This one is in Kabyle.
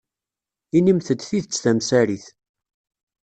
Inimt-d tidet tamsarit.